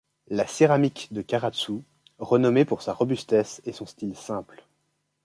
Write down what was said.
La céramique de Karatsu, renommée pour sa robustesse et son style simple.